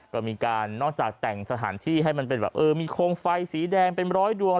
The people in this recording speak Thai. ก็มีการนอกจากแต่งสถานที่ให้มันเป็นแบบเออมีโคมไฟสีแดงเป็นร้อยดวง